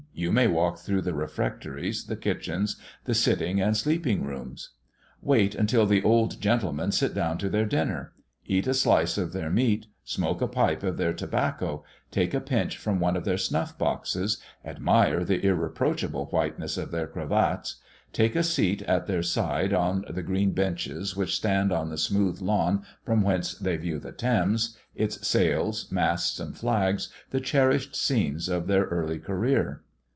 You may walk through the refectories, the kitchens, the sitting and sleeping rooms. Wait until the "old gentlemen" sit down to their dinner, eat a [Illustration: THE GREENWICH PENSIONERS. p. 150.] slice of their meat, smoke a pipe of their tobacco, take a pinch from one of their snuff boxes, admire the irreproachable whiteness of their cravats, take a seat at their side on the green benches which stand on the smooth lawn from whence they view the Thames, its sails, masts, and flags, the cherished scenes of their early career.